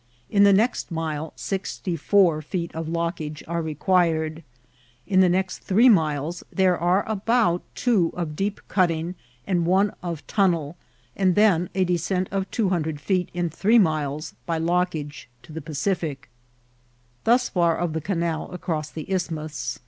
In the next mile sixty four feet of lockage are required. In the next three miles there are about two of deep cutting and one of tunnel, and then a descent of two hundred feet in three miles by lockage, to the Pacific. Thus £Bur of the canal across the isthmus.